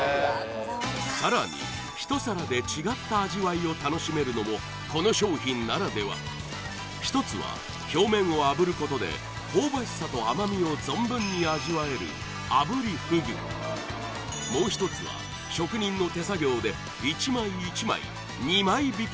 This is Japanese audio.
さらに１皿で違った味わいを楽しめるのもこの商品ならでは１つは表面を炙ることで香ばしさと甘みを存分に味わえるもう一つは職人の手作業で１枚１枚２枚引きという技術でカットし